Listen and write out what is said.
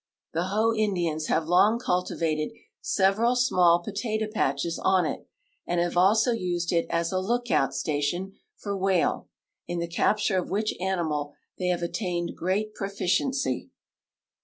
The Ploh Indians have long cultivated several small potato patches on it and have also used it as a lookout station for whale, in the capture of which animal they have attained great proficiency.